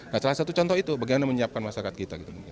nah salah satu contoh itu bagaimana menyiapkan masyarakat kita